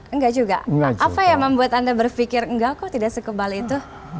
enggak juga apa yang membuat anda berpikir enggak kok tidak sekebal itu